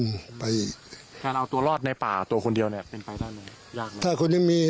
แค่ผมเอาตัวรอดในป่าตัวคนเดียวมันเป็นไกลใน๑๙๕๓